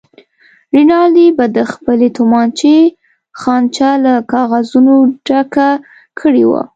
رینالډي به د خپلې تومانچې خانچه له کاغذونو ډکه کړې وه.